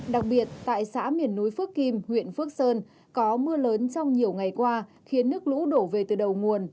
đặc biệt tại xã miền núi phước kim huyện phước sơn có mưa lớn trong nhiều ngày qua khiến nước lũ đổ về từ đầu nguồn